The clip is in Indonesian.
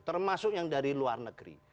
termasuk yang dari luar negeri